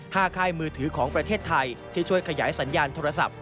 ค่ายมือถือของประเทศไทยที่ช่วยขยายสัญญาณโทรศัพท์